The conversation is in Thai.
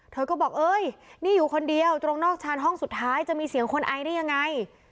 เธอก็บอกเอ้ยนี่อยู่คนเดียวตรงนอกชานห้องสุดท้ายจะมีเสียงคนไอได้ยังไง